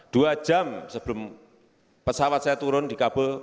dua jam sebelum pesawat saya turun di kabel